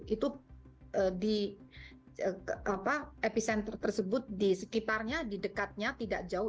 itu di epicenter tersebut di sekitarnya di dekatnya tidak jauh